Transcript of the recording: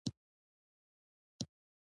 د ګانا هېواد یو تورپوستی راسره ملګری و.